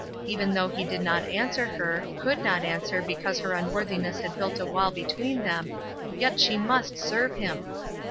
Even though He did not answer her, could not answer, because her unworthiness had built a wall between them, yet she must serve Him.